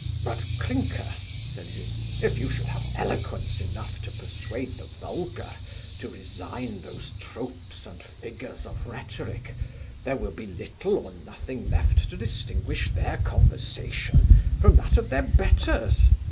'But, Clinker (said he) if you should have eloquence enough to persuade the vulgar to resign those tropes and figures of rhetoric, there will be little or nothing left to distinguish their conversation from that of their betters.